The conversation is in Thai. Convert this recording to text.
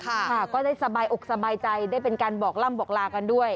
ค่ะก็ได้สบายอกสบายใจได้เป็นการบอกล่ำบอกลากันด้วย